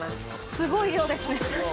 すごい量ですね。